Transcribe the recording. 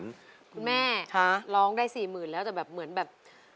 คุณแม่คะร้องได้สี่หมื่นแล้วแต่แบบเหมือนแบบ